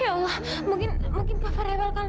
ya allah mungkin mungkin kava rewel karena